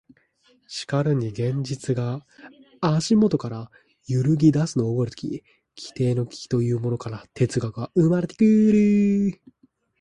しかるに現実が足下から揺ぎ出すのを覚えるとき、基底の危機というものから哲学は生まれてくる。